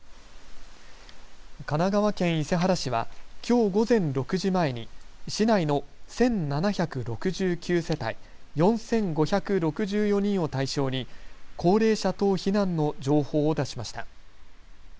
神奈川県伊勢原市はきょう午前６時前に市内の１７６９世帯４５６４人を対象に高齢者等避難の情報を出しました。